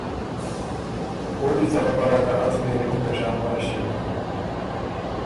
او دی څۀ خبر هۀ که از پېري اُن بېشامره ݭیوکم